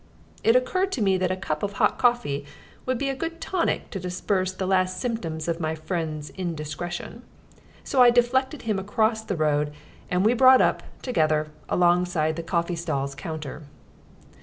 It occurred to me that a cup of hot coffee would be a good tonic to disperse the last symptoms of my friend's indiscretion, so I deflected him across the road, and we brought up, together, alongside the coffee stall's counter.